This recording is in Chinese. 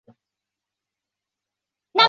同年十月派在大门当差。